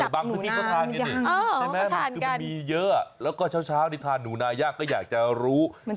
บางที่นี่ก็ทานกันอีกมันมีเยอะแล้วก็เช้าที่ทานหนูนาย่างก็อยากจะรู้